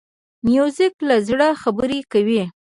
موزیک له زړه خبرې کوي.